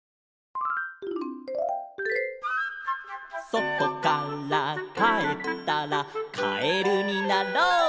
「そとからかえったらカエルになろう」